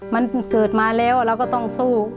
มันเกิดมาแล้วเราก็ต้องสู้